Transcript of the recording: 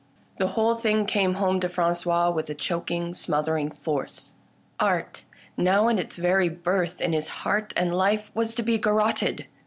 The whole thing came home to Frangois with a choking smothering force. Art, now in its very birth in his heart and life, was to be garrotted.